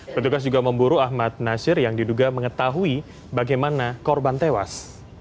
petugas juga memburu ahmad nasir yang diduga mengetahui bagaimana korban tewas